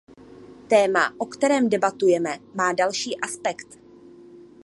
Téma, o kterém debatujeme, má další aspekt.